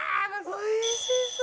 「おいしそう！